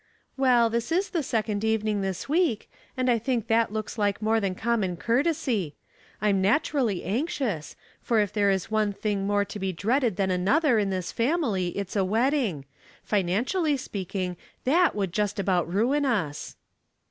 *' Well, this is the second evening this week, and I think that looks like more than common courtesy. I'm naturally anxious, for if there is one thing more to be dreaded than another in this family it's a wedding ; financially speaking, that would jast about ruin us."